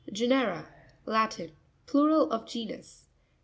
Ge'nera.—Latin. Plural of genus.